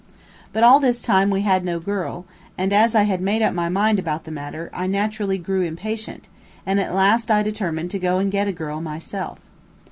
But all this time we had no girl, and as I had made up my mind about the matter, I naturally grew impatient, and at last I determined to go and get a girl myself.